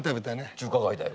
中華街だよ。